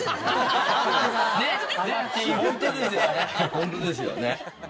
ホントですよね。